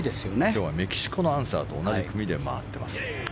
今日はメキシコのアンサーと同じ組で回っています。